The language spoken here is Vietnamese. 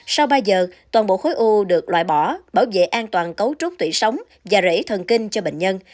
sau ba giờ toàn bộ khối u được loại bỏ bảo vệ an toàn cấu trúc tủy sống và rễ thần kinh cho bệnh nhân